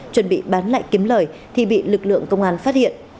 chuẩn bị bán lại kiếm lời thì bị lực lượng công an phát hiện